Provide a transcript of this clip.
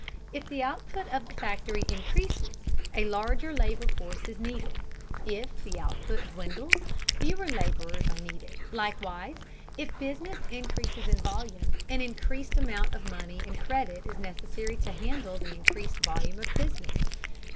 If the output of the factory increases, a larger labor force is needed; if the output dwindles, fewer laborers are needed. Similarly, if business increases in volume, an increased amount of money and credit is necessary to handle the increased volume of business.